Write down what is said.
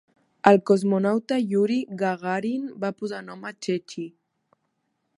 El cosmonauta Yuri Gagarin va posar nom a Chechi.